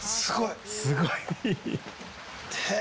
すごい！